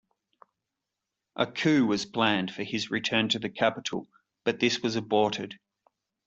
A coup was planned for his return to the capital but this was aborted.